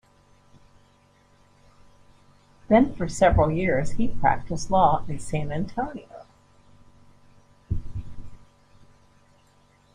Then, for several years, he practiced law in San Antonio.